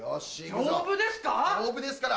丈夫ですから。